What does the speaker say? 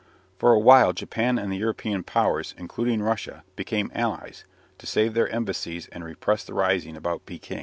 For a while Japan and the European Powers, including Russia, became allies, to save their embassies and repress the rising about Pekin.